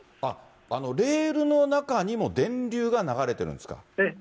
レールの中にも電流が流れてるんですか？